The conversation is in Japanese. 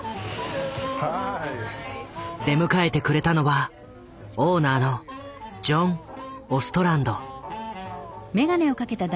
出迎えてくれたのはオーナーのジョン・オストランド。